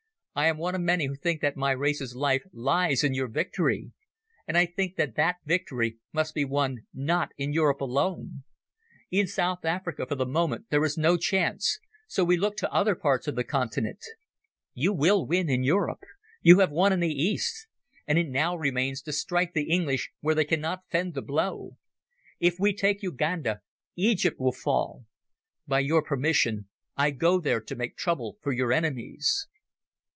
"I am one of many who think that my race's life lies in your victory. And I think that that victory must be won not in Europe alone. In South Africa for the moment there is no chance, so we look to other parts of the continent. You will win in Europe. You have won in the East, and it now remains to strike the English where they cannot fend the blow. If we take Uganda, Egypt will fall. By your permission I go there to make trouble for your enemies."